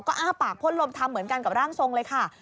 ก็อ้าปากพ่นลมทำเหมือนกันกับร่างทรงเลยค่ะ